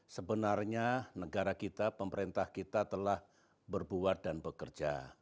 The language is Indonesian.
sebenarnya negara kita pemerintah kita telah berbuat dan bekerja